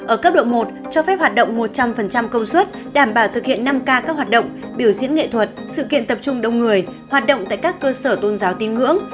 ở cấp độ một cho phép hoạt động một trăm linh công suất đảm bảo thực hiện năm k các hoạt động biểu diễn nghệ thuật sự kiện tập trung đông người hoạt động tại các cơ sở tôn giáo tin ngưỡng